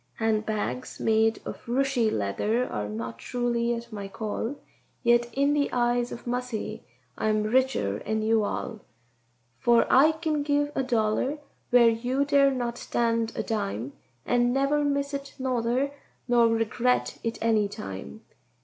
"Hand bags made of Rooshy leather are not truly at my call, Yet in the eyes of Mussy I am richer 'en you all, For I kin give a dollar wher' you dare not stand a dime, And never miss it nother, nor regret it any time."